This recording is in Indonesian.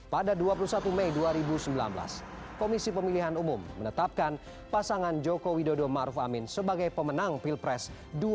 pada dua puluh satu mei dua ribu sembilan belas komisi pemilihan umum menetapkan pasangan joko widodo maruf amin sebagai pemenang pilpres dua ribu sembilan belas